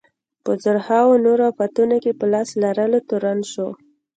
په زرهاوو نورو افتونو کې په لاس لرلو تورن شو.